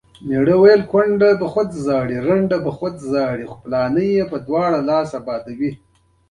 دوی ته چې کله سړي په لاس ورسي سمدلاسه یې وژلو ته لېږي.